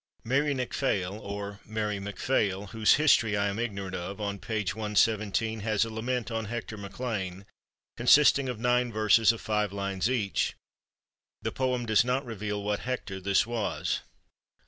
Mairi Nic Phail, or Mary Mac Phail. whose history I am ignorant of, on page 1 17 has a lament on Hector MacLean, consisting of nine verses of five lines each. The poem does not reveal what Hector this was.